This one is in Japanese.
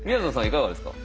いかがですか？